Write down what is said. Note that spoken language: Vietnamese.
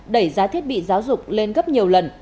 đẩy giá thiết bị giáo dục lên gấp nhiều lần